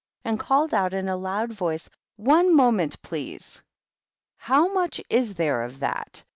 263 and called out, in a loud voice, "One moment, please !" "How much is there of that?"